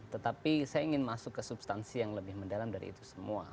tetapi saya ingin masuk ke substansi yang lebih mendalam dari itu semua